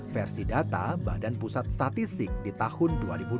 versi data badan pusat statistik di tahun dua ribu dua puluh